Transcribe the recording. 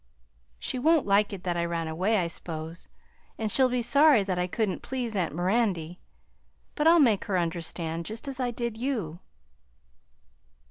"She won't like it that I ran away, I s'pose, and she'll be sorry that I couldn't please aunt Mirandy; but I'll make her understand, just as I did you."